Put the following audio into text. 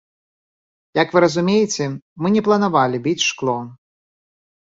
Як вы разумееце, мы не планавалі біць шкло.